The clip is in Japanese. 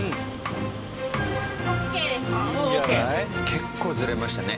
結構ズレましたね